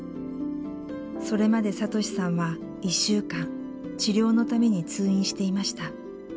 それまで聡士さんは１週間治療のために通院していました。